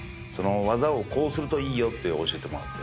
技をこうするといいよって教えてもらって。